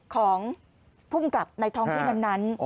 ของภูมิกับในท้องที่นั้น